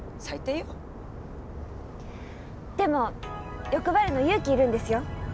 でも欲張るの勇気いるんですよ。